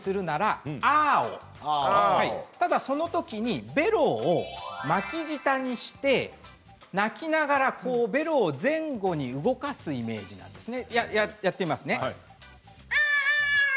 ただ、あーぉそのときにべろを巻き舌にして鳴きながらべろを前後に動かすイメージですね。